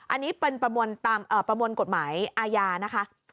อันนี้เป็นประมวลกฎหมายอาญานะคะ